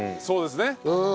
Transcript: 「そうですね」